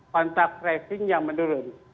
kontak tracing yang menurun